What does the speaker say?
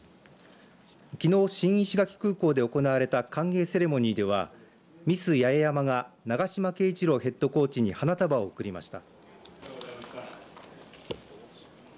きのう、新石垣島空港で行われた歓迎セレモニーではミス八重山が長島圭一郎ヘッドコーチに花束を贈りました。